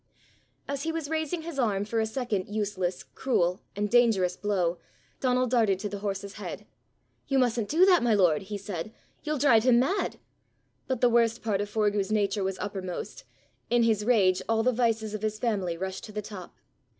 As he was raising his arm for a second useless, cruel, and dangerous blow, Donal darted to the horse's head. "You mustn't do that, my lord!" he said. "You'll drive him mad." But the worst part of Forgue's nature was uppermost, in his rage all the vices of his family rushed to the top.